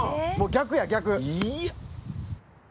逆や逆。